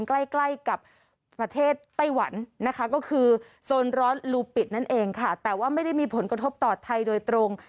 ใกล้ใกล้กับประเทศไต้หวันนะคะก็คือโซนร้อนลูปิดนั่นเองค่ะแต่ว่าไม่ได้มีผลกระทบต่อไทยโดยตรง